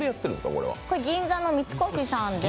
これ、銀座の三越さんで。